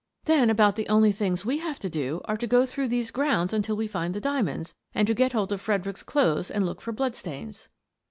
" Then about the only things we have to do are to go through these grounds until we find the dia monds and to get hold of Fredericks's clothes and look for blood stains."